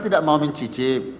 tidak mau mencicip